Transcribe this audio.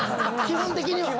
基本的には！